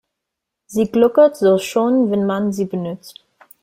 Sie gluckert so schön, wenn man sie benutzt.